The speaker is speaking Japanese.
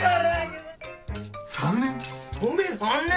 ３年？